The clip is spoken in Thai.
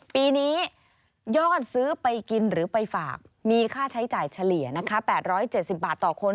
ปีนี้ยอดซื้อไปกินหรือไปฝากมีค่าใช้จ่ายเฉลี่ยนะคะ๘๗๐บาทต่อคน